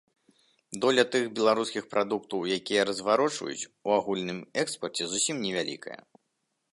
Доля тых беларускіх прадуктаў, якія разварочваюць, у агульным экспарце зусім невялікая.